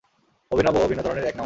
অভিনব ও ভিন্ন ধরনের এক নামায।